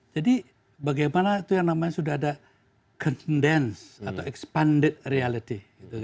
jadi bagaimana itu yang namanya sudah ada condensed atau expanded reality